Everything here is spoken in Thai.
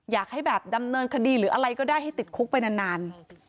อยากให้แบบดำเนินคดีหรืออะไรก็ได้ให้ติดคุกไปนาน